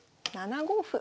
７五歩。